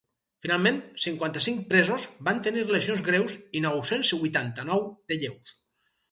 Finalment, cinquanta-cinc presos van tenir lesions greus i nou-cents vuitanta-nou de lleus.